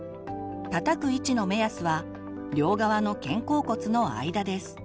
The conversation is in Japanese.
たたく位置の目安は両側の肩甲骨の間です。